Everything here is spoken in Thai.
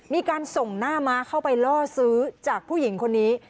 มีการส่งหน้าม้าเข้าไปล่อซื้อจากผู้หญิงคนนี้